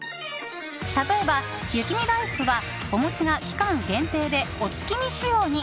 例えば、雪見だいふくはお餅が期間限定でお月見仕様に。